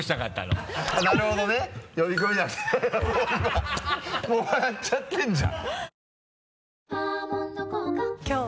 もう今もう笑っちゃってるじゃん